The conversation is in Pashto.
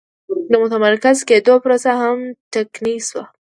د متمرکز کېدو پروسه هم ټکنۍ شوه.